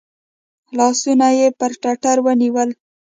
لاسونه یې پر ټتر ونیول .